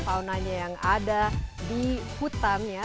faunanya yang ada di hutan ya